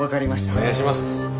お願いします。